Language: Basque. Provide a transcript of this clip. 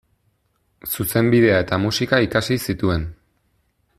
Zuzenbidea eta musika ikasi zituen.